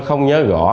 không nhớ gõ